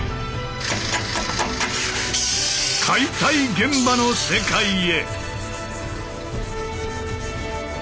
解体現場の世界へ！